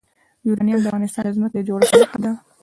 یورانیم د افغانستان د ځمکې د جوړښت نښه ده.